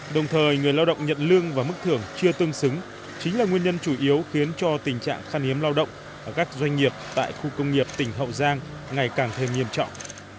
đồng thời người lao động nhận lương và mức thưởng chưa tương xứng chính là nguyên nhân chủ yếu khiến cho tình trạng khăn hiếm lao động ở các doanh nghiệp tại khu công nghiệp tỉnh hậu giang ngày càng thêm nghiêm trọng